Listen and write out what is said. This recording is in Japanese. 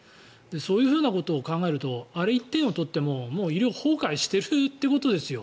そういうふうなことを考えるとあれ１点を取ってももう医療崩壊しているということですよ